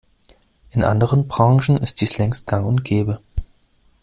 In anderen Branchen ist dies längst gang und gäbe.